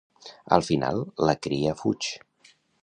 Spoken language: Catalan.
Al final, la cria fuig.